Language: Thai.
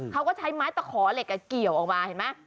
เขาก็ใช้ไม้ตะขอเหล็กเกี่ยวออกมาเห็นไหม